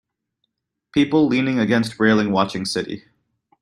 People leaning against railing watching city.